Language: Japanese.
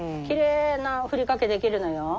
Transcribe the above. きれいなふりかけできるのよ。